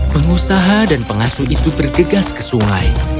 pengusaha dan pengasuh itu bergegas ke sungai